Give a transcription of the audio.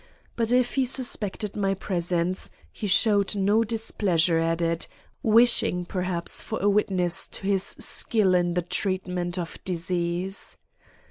But if he suspected my presence, he showed no displeasure at it, wishing perhaps for a witness to his skill in the treatment of disease.